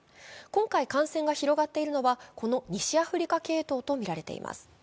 今回感染が広がっているのは、この西アフリカ系統とみられています。